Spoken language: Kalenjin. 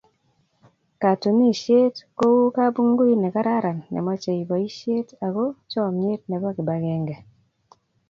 Katunisyet kou kapngui ne keraran ne mochei boisyet ako chomnyet nebo kibagenge.